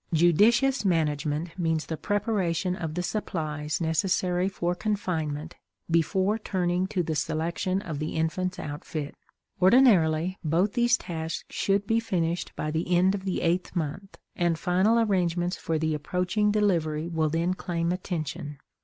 Judicious management means the preparation of the supplies necessary for confinement before turning to the selection of the infant's outfit. Ordinarily, both these tasks should be finished by the end of the eighth month, and final arrangements for the approaching delivery will then claim attention.